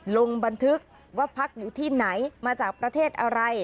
ลงบันทึกว่าพักอยู่ที่ไหนมาจากประเทศอะไร